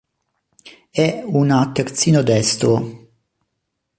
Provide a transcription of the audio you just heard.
È una terzino destro.